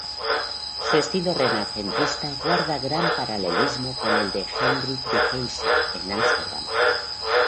Su estilo renacentista guarda gran paralelismo con el de Hendrick de Keyser en Ámsterdam.